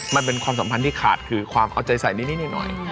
มันเป็นความสัมพันธ์ที่ขาดคือความเอาใจใส่นิดหน่อย